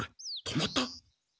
止まった？